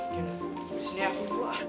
disini aku buah